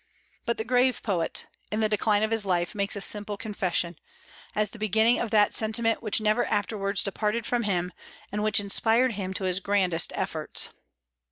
But the grave poet, in the decline of his life, makes this simple confession, as the beginning of that sentiment which never afterwards departed from him, and which inspired him to his grandest efforts.